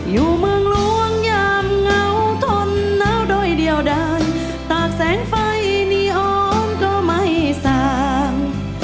อยู่เมืองหลวงยามเหงาทนหนาวโดยเดียวด้านตากแสงไฟนีออมก็ไม่สาง